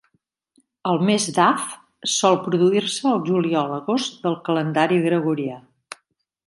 El mes d'Av sol produir-se al juliol-agost del calendari gregorià.